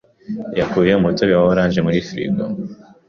yakuye umutobe wa orange muri firigo.